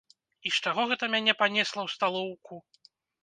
І з чаго гэта мяне панесла ў сталоўку?